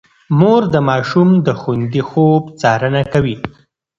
مور د ماشوم د خوندي خوب څارنه کوي.